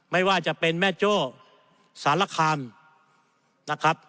ไม่ว่าจะเป็นแม่โจ้สารคามนะครับ